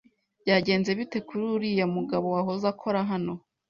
Byagenze bite kuri uriya mugabo wahoze akora hano?